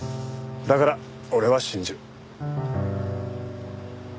だから俺は信じる。